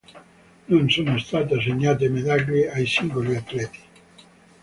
Non sono state assegnate medaglie ai singoli atleti.